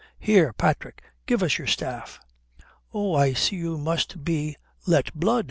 Here, Patrick, give us your staff." "Oh, I see you must be let blood."